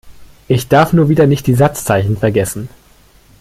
Ich darf nur wieder nicht die Satzzeichen vergessen.